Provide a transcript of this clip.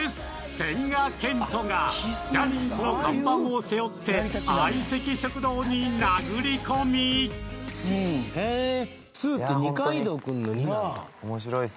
千賀健永がジャニーズの看板を背負って相席食堂にへえーいや